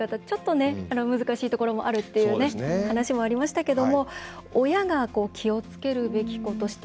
ちょっと難しいところもあるっていう話もありましたけども親が気をつけるべきこと。